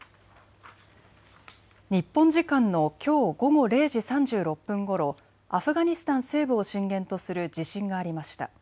日本時間のきょう午後０時３６分ごろ、アフガニスタン西部を震源とする地震がありました。